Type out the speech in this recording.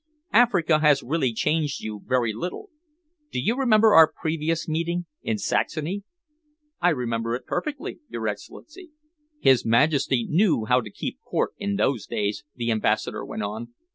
Africa has really changed you very little. Do you remember our previous meeting, in Saxony?" "I remember it perfectly, your Excellency." "His Majesty knew how to keep Court in those days," the Ambassador went on.